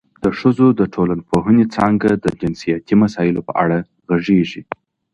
د ښځو د ټولنپوهنې څانګه د جنسیتي مسایلو په اړه غږېږي.